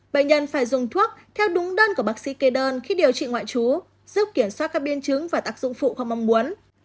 bệnh nhân phải dùng thuốc theo đúng đơn của bác sĩ kê đơn khi điều trị ngoại trú giúp kiểm soát các biên chứng và tạc dụng phụ không mong muốn